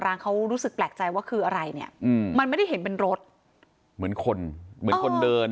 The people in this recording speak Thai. ร้านเขารู้สึกแปลกใจว่าคืออะไรเนี่ยอืมมันไม่ได้เห็นเป็นรถเหมือนคนเหมือนคนเดิน